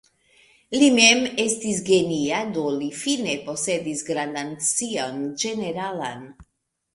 Li mem estis genia do li fine posedis grandan scion ĝeneralan.